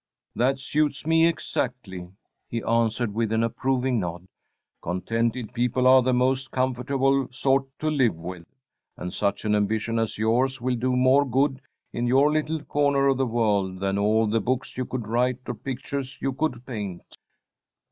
"That suits me exactly," he answered, with an approving nod. "Contented people are the most comfortable sort to live with, and such an ambition as yours will do more good in your little corner of the world than all the books you could write or pictures you could paint."